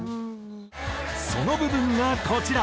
その部分がこちら。